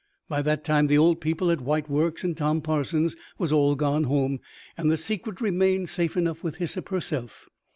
By that time the old people at White Works and Tom Parsons was all gone home, and the secret remained safe enough with Hyssop herself.